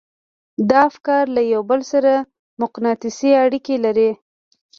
دا افکار له يو بل سره مقناطيسي اړيکې لري.